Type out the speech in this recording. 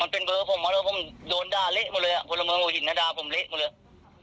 ไม่ได้แน่นอนครับผมหาวิธีฟ้องเพราะว่ามันเป็นเบอร์ผมโดนดาเละหมดเลย